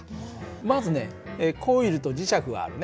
まずねコイルと磁石があるね。